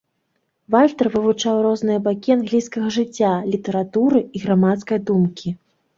Вальтэр вывучаў розныя бакі англійскага жыцця, літаратуры і грамадскай думкі.